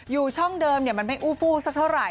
อยู่ช่องเดิมมันไม่อู้ฟู้สักเท่าไหร